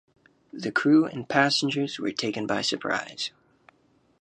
The crew and passengers were taken by surprise.